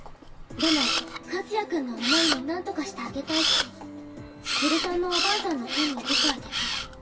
でも和也君の思いもなんとかしてあげたいし千鶴さんのおばあさんの件も理解できる。